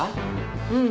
うん。